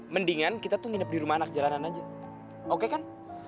mendingan kita tuh nginep di rumah anak jalanan aja oke kan